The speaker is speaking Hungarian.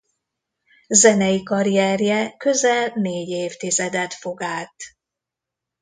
Zenei karrierje közel négy évtizedet fog át.